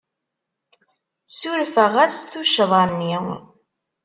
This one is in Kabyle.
Ssurfeɣ-as tuccḍa-nni.